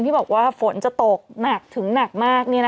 ที่บอกว่าฝนจะตกหนักถึงหนักมาก